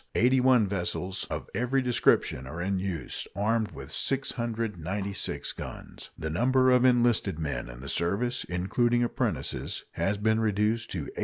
Eighty one vessels of every description are in use, armed with 696 guns. The number of enlisted men in the service, including apprentices, has been reduced to 8,500.